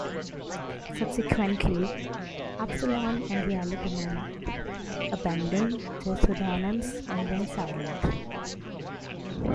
Subsequently, "Epsilon" and "RealityMan" abandoned their pseudonyms and went silent.